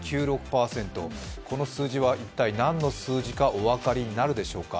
この数字は一体、何の数字かお分かりになるでしょうか。